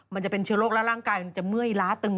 มันจะเป็นเชื้อโรคแล้วร่างกายมันจะเมื่อยล้าตึง